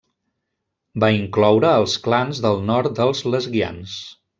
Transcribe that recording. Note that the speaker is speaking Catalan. Va incloure els clans del nord dels Lesguians.